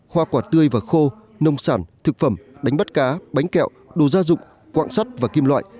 hoa quả tươi và khô nông sản thực phẩm đánh bắt cá bánh kẹo đồ gia dụng quạng sắt và kim loại